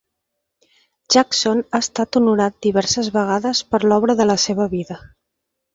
Jackson ha estat honorat diverses vegades per l'obra de la seva vida.